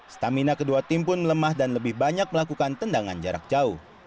stamina kedua tim pun lemah dan lebih banyak melakukan tendangan jarak jauh